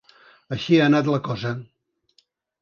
Així ha anat la cosa.